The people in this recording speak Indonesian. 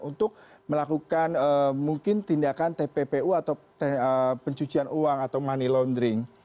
untuk melakukan mungkin tindakan tppu atau pencucian uang atau money laundering